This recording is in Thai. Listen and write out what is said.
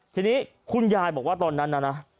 ทีนี้คุณยายบอกว่าตอนนั้นนะนะ